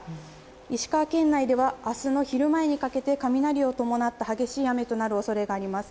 石川県内では明日の昼前にかけて雷を伴った激しい雨となる恐れがあります。